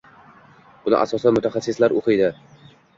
Buni asosan mutaxassislar o‘qiydi.